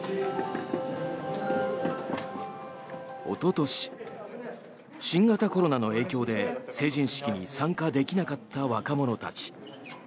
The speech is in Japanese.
おととし、新型コロナの影響で成人式に参加できなかった若者たち。